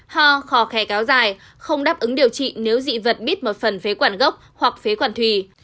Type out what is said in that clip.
hò khò khe kéo dài không đáp ứng điều trị nếu dị vật bít một phần phế quản gốc hoặc phế quản thùy